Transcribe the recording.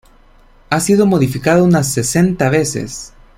Ha sido modificada unas sesenta veces.